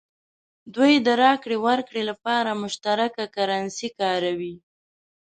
دوی د راکړې ورکړې لپاره مشترکه کرنسي کاروي.